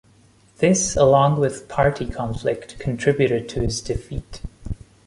This, along with party conflict, contributed to his defeat.